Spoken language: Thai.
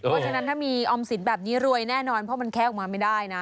เพราะฉะนั้นถ้ามีออมสินแบบนี้รวยแน่นอนเพราะมันแคะออกมาไม่ได้นะ